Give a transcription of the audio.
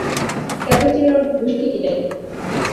ক্যাপাচিনোর গুষ্টি কিলাই।